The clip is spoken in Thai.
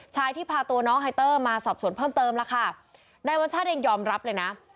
ที่พาตัวน้องไฮเตอร์มาสอบสวนเพิ่มเติมแล้วค่ะนายวัญชาติเองยอมรับเลยนะ